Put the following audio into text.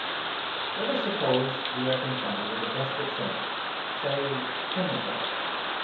Let us suppose we are confronted with a desperate thing say Pimlico.